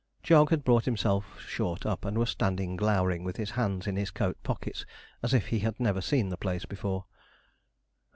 Jog had brought himself short up, and was standing glowering with his hands in his coat pockets, as if he had never seen the place before.